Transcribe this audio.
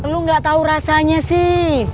lu gak tau rasanya sih